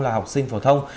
là học sinh phổ thông